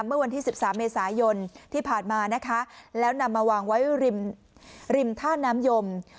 เมื่อวันที่๑๓เมษายนที่ผ่านมานะคะแล้วนำมาวางไว้ริมริมท่าน้ำยม